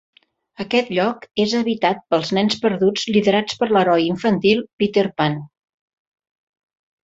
Aquest lloc és habitat pels nens perduts liderats per l'heroi infantil, Peter Pan.